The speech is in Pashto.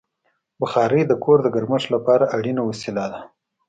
بخاري د کور د ګرمښت لپاره اړینه وسیله ده.